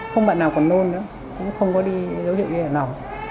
không bạn nào còn nôn nữa cũng không có đi dấu hiệu gì ở nào